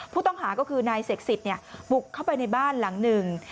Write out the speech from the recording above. ผู้ต้องหาก็คือนายเสกสิทธิ์บุกเข้าไปในบ้านหลังหนึ่ง